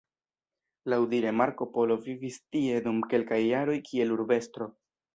Laŭdire Marko Polo vivis tie dum kelkaj jaroj kiel urbestro.